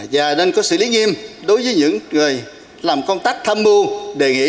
và nên có xử lý nghiêm đối với những người làm công tác tham mưu đề nghị